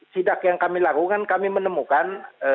sidak yang kami lakukan kami menemukan